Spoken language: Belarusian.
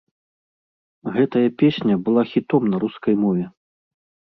Гэтая песня была хітом на рускай мове.